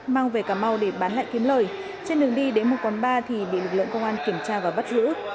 mang về cà mau để bán lại kiếm lời trên đường đi đến một quán bar thì bị lực lượng công an kiểm tra và bắt giữ